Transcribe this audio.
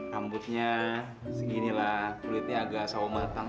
rambutnya seginilah kulitnya agak sawo matang